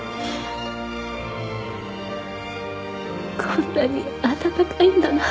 こんなに温かいんだな。